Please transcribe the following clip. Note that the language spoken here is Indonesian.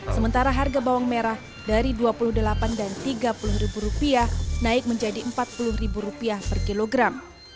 sementara harga bawang merah dari rp dua puluh delapan dan rp tiga puluh naik menjadi rp empat puluh per kilogram